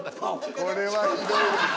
これはひどいです。